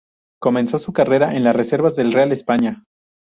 Comenzó su carrera en las reservas del Real España.